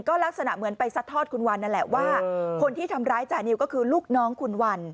ก็ลักษณะเหมือนไปซัดทอดคุณวันนั่นแหละว่าคนที่ทำร้ายจานิวก็คือลูกน้องคุณวัน